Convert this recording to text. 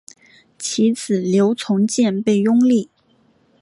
其子刘从谏被拥立。